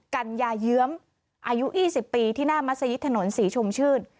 กันยาเยื้อมอายุอี่สิบปีที่หน้ามัสยิทย์ถนนศรีชมชื่น